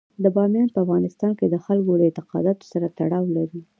بامیان په افغانستان کې د خلکو له اعتقاداتو سره تړاو لري.